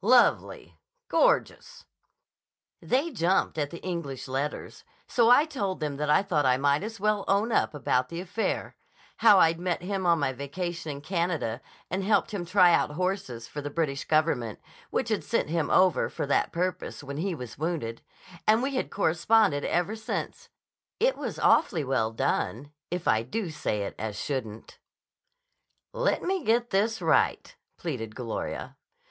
"Lovely! Gorgeous!" "They jumped at the English letters. So I told them that I thought I might as well own up about the affair; how I'd met him on my vacation in Canada and helped him try out horses for the British Government, which had sent him over for that purpose when he was wounded, and we had corresponded ever since. It was awfully well done, if I do say it as shouldn't." "Let me get this right," pleaded Gloria.